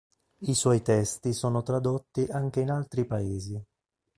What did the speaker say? I suoi testi sono tradotti anche in altri paesi.